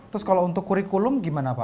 terus kalau untuk kurikulum gimana pak